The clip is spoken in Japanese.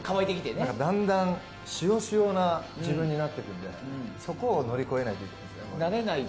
だんだん、しおしおな自分になっていくのでそこを乗り越えないといけないです。